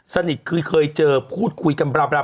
สนิทคือเคยเจอพูดคุยกันราว